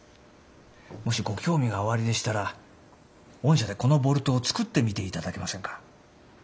もしご興味がおありでしたら御社でこのボルトを作ってみていただけませんか？